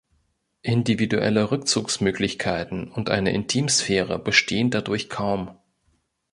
Individuelle Rückzugsmöglichkeiten und eine Intimsphäre bestehen dadurch kaum.